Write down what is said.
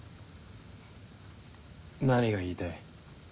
何が言いたい？